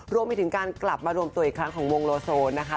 รวมไปถึงการกลับมารวมตัวอีกครั้งของวงโลโซนะคะ